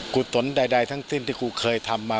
กุศลใดทั้งสิ้นที่กูเคยทำมา